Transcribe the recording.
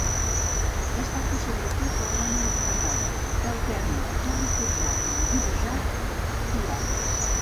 Destaca sobretot la barana del terrat que alterna ferro forjat molt dibuixat i obra.